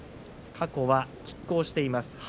過去はきっ抗しています。